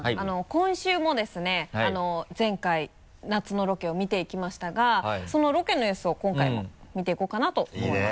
今週もですね前回夏のロケを見ていきましたがそのロケの様子を今回も見ていこうかなと思います。